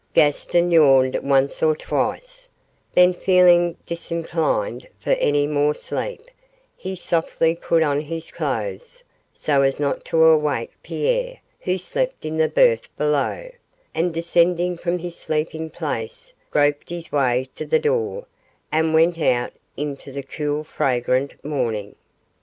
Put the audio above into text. Gaston yawned once or twice, then feeling disinclined for any more sleep, he softly put on his clothes, so as not to awake Pierre, who slept in the berth below, and descending from his sleeping place groped his way to the door and went out into the cool fragrant morning.